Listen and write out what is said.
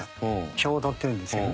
表土っていうんですけどね。